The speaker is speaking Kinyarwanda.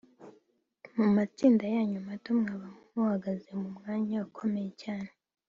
mu matsinda yanyu mato mwaba muhagaze mu mwanya ukomeye cyane